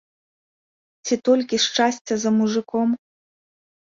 Ці толькі шчасце за мужыком?